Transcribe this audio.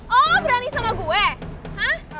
oh berani sama gue